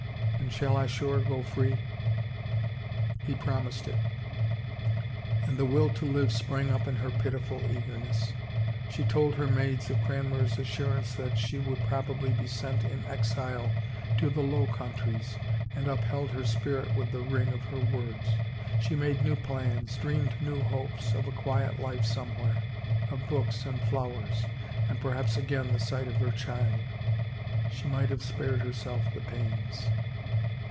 And shall I sure go free ?" He promised it, and the will to live sprang up in her in pitiful eagerness. She told her maids of Cranmer 's assurance that she would probably be sent in exile to the Low Countries and upheld her spirit with the ring of her words. She made new plans, dreamed new hopes of a quiet life somewhere — of books and flowers — and perhaps again the sight of her child — She might have spared herself the pains.